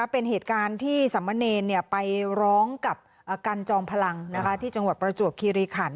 เป็นเหตุการณ์ที่สามเณรไปร้องกับกันจอมพลังที่จังหวัดประจวบคีรีขัน